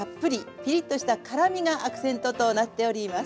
ピリッとした辛みがアクセントとなっております。